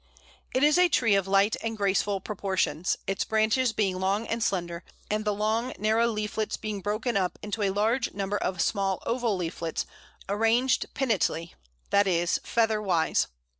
It is a tree of light and graceful proportions, its branches being long and slender, and the long narrow leaves being broken up into a large number of small oval leaflets, arranged pinnately, that is, featherwise.